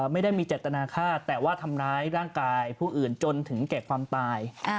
ไม่ได้มีเจตนาฆ่าแต่ว่าทำร้ายร่างกายผู้อื่นจนถึงแก่ความตาย